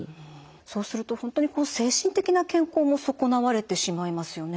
そうすると本当に精神的な健康も損なわれてしまいますよね。